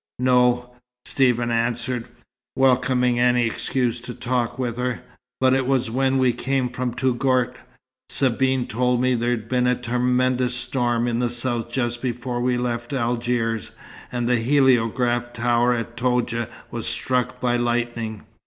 "No," Stephen answered, welcoming any excuse for talk with her. "But it was when we came from Touggourt. Sabine told me there'd been a tremendous storm in the south just before we left Algiers, and the heliograph tower at Toudja was struck by lightning.